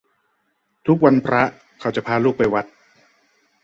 ทุกวันพระเขาจะพาลูกไปวัด